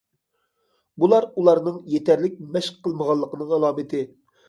بۇلار ئۇلارنىڭ يېتەرلىك مەشىق قىلمىغانلىقىنىڭ ئالامىتى.